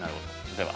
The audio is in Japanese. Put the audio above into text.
では。